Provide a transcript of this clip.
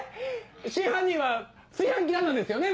真犯人は炊飯器旦那ですよね？